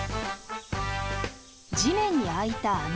地面に開いた穴。